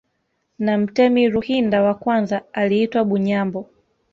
Na mtemi Ruhinda wa kwanza aliitwa Bunyambo